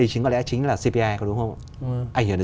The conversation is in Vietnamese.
chính là cpi anh hiểu